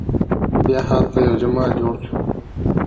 بیا هلته یو جومات جوړ شو.